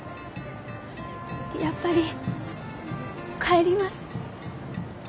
やっぱり帰ります。